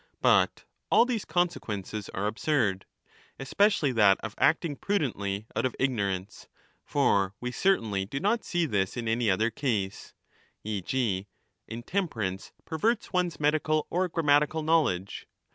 But all these consequences are absurd, especially that of acting prudently out of ignorance, for we certainly do not see this ^"^ in any other case, e. g. intemperance perverts ^^ one's medical or grammatical knowledge.